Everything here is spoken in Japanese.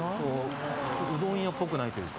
うどん屋っぽくないっていうか。